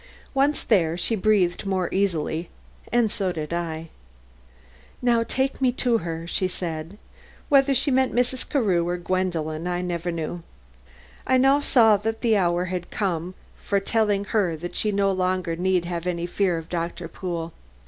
Once there she breathed more easily, and so did I. "Now take me to her," she said. Whether she meant Mrs. Carew or Gwendolen, I never knew. I now saw that the hour had come for telling her that she no longer need have any fear of Doctor Pool.